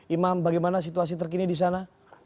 imam bagaimana situasi terkini di sana